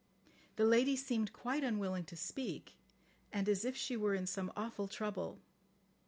The lady seemed quite unwilling to speak, and as if she were in some awful trouble.